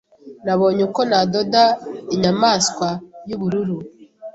Nabonye uko nadoda inyamaswa yubururu